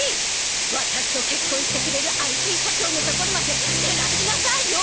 ワタシと結婚してくれるＩＴ社長のところまで照らしなさいよ！